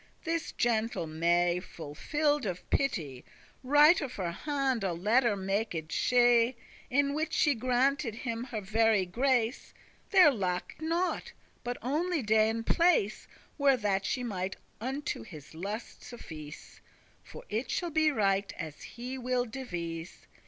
This gentle May, full filled of pity, Right of her hand a letter maked she, In which she granted him her very grace; There lacked nought, but only day and place, Where that she might unto his lust suffice: For it shall be right as he will devise.